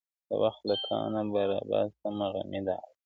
• د وخت له کانه به را باسمه غمي د الماس..